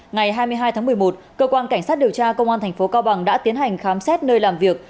ngày hai mươi hai tháng một mươi một cơ quan cảnh sát điều tra công an thành phố cao bằng đã tiến hành khám xét nơi làm việc